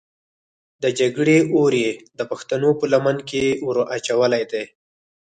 د جګړې اور یې د پښتنو په لمن کې ور اچولی دی.